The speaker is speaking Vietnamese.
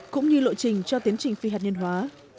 cũng như lộ trình cho tiến trình phi hạt nhân hóa